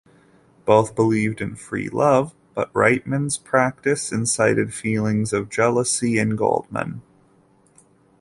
Both believed in free love, but Reitman's practice incited feelings of jealousy in Goldman.